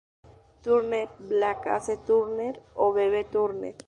Turner, Black Ace Turner o Babe Turner.